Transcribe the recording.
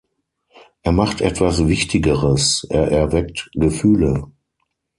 Er macht etwas Wichtigeres: er erweckt Gefühle.